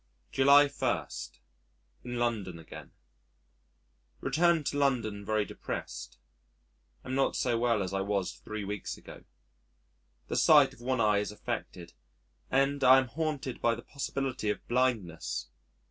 July 1. In London Again Returned to London very depressed. Am not so well as I was three weeks ago. The sight of one eye is affected, and I am haunted by the possibility of blindness.